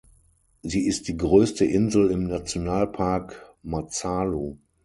Sie ist die größte Insel im Nationalpark Matsalu.